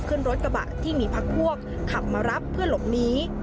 ขึ้นรถกระบะที่มีพักพวกขับมารับเพื่อหลบหนี